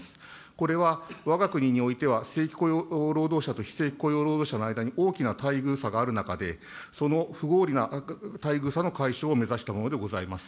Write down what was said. これはわが国においては正規雇用労働者と非正規雇用労働者との間に大きな待遇差がある中で、その不合理な待遇差の解消を目指したものでございます。